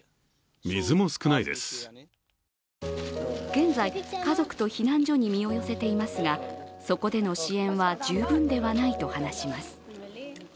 現在、家族と避難所に身を寄せていますがそこでの支援は十分ではないと話します。